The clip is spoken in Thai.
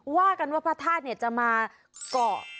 ว่ากันว่าพระทาสน์เนี่ยจะมาเกาะ